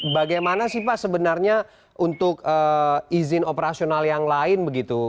bagaimana sih pak sebenarnya untuk izin operasional yang lain begitu